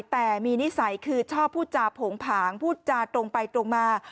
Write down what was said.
แต่มีนิสัยคือชอบพูดจาโผงผางพูดจาตรงไปตรงมา